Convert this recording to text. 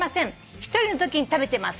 「１人のときに食べてます」